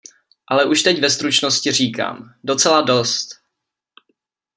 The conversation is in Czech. Ale už teď ve stručnosti říkám: docela dost!